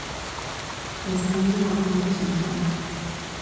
Ao fondo a ponte de Santiago.